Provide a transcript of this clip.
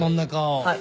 はい。